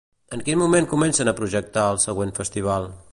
En quin moment comencen a projectar el següent festival?